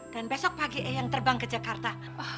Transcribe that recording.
dan besok pagi eyang terbang ke jakarta